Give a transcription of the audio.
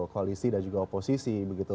koalisi dan juga oposisi begitu